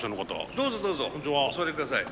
どうぞどうぞお座りください。